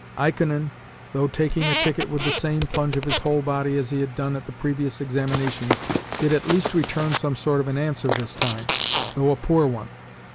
Ikonin, though taking a ticket with the same plunge of his whole body as he had done at the previous examinations, did at least return some sort of an answer this time, though a poor one.